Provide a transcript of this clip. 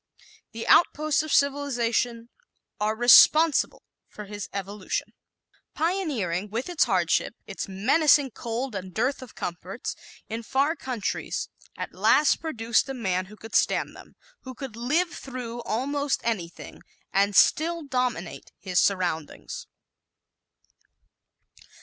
The outposts of civilization are responsible for his evolution. [Illustration 8: A: Typical OSSEOUS face B: Typical OSSEOUS hand] Pioneering, with its hardship, its menacing cold and dearth of comforts, in far countries at last produced a man who could stand them, who could "live through" almost anything and still dominate his surroundings.